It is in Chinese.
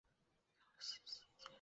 江西新建人。